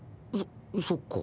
そそっか。